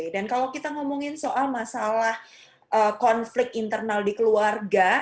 dan kalau kita ngomongin soal masalah konflik internal di keluarga